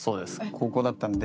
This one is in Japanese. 高校だったので。